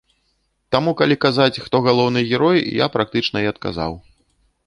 Таму калі казаць, хто галоўны герой, я практычна і адказаў.